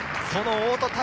その大戸